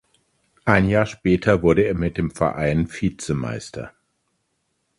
Ein Jahr später wurde er mit dem Verein Vizemeister.